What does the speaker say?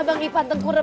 bang ipan tengkurep